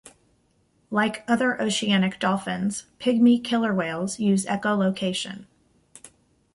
Like other oceanic dolphins, pygmy killer whales use echolocation.